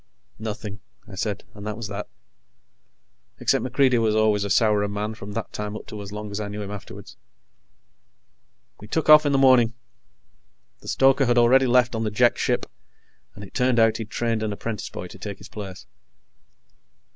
"Nothing," I said, and that was that, except MacReidie was always a sourer man from that time up to as long as I knew him afterwards. We took off in the morning. The stoker had already left on the Jek ship, and it turned out he'd trained an apprentice boy to take his place.